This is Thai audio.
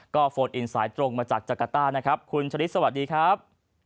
ก็โฟล์ดอินไซต์ตรงมาจากจากาต้านะครับคุณฉลิดสวัสดีครับ